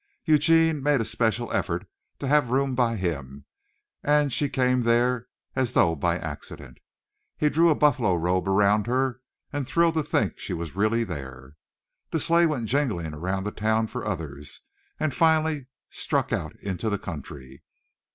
Eugene made a special effort to have room by him, and she came there as though by accident. He drew a buffalo robe around her and thrilled to think that she was really there. The sleigh went jingling around the town for others, and finally struck out into the country.